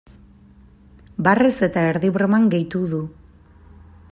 Barrez eta erdi broman gehitu du.